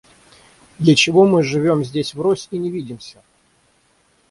Для чего мы живем здесь врозь и не видимся?